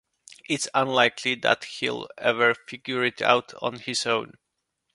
It's unlikely that he'll ever figure it out on his own.